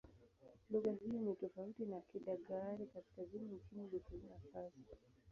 Lugha hiyo ni tofauti na Kidagaare-Kaskazini nchini Burkina Faso.